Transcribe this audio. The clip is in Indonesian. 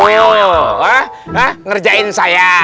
haaah ngerjain saya